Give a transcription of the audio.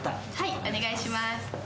お願いします。